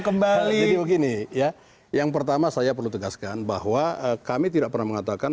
kembali jadi begini ya yang pertama saya perlu tegaskan bahwa kami tidak pernah mengatakan